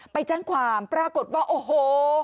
ไปแจ้งความปรากฏว่าโอ้โห